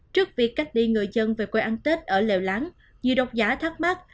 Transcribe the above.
trước việc cách ly người dân về quê ăn tết ở lèo lãng nhiều đọc giả thắc mắc